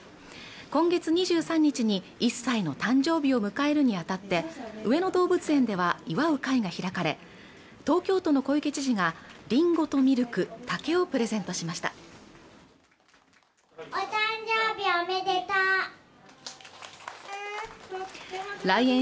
今月２３日に１歳の誕生日を迎えるにあたって上野動物園では祝う会が開かれ東京都の小池知事がりんごとミルク竹をプレゼントしましたお誕生日